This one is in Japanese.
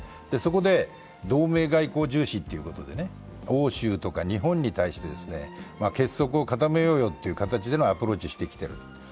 そこで同盟外交重視ということで欧州とか日本に対して結束をかためようという形でのアプローチをしてきている；。